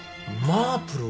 マープル？